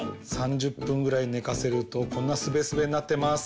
３０ぷんぐらいねかせるとこんなすべすべになってます。